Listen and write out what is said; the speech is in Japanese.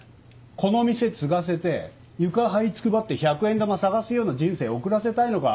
このお店継がせて床はいつくばって１００円玉捜すような人生送らせたいのか？